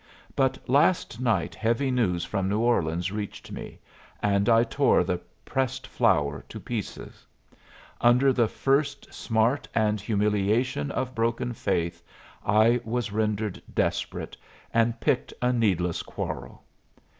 But last night heavy news from New Orleans reached me, and I tore the pressed flower to pieces. Under the first smart and humiliation of broken faith I was rendered desperate, and picked a needless quarrel.